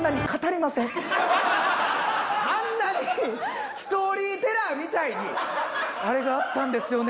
あんなにストーリーテラーみたいに「あれがあったんですよね」